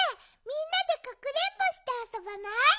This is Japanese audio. みんなでかくれんぼしてあそばない？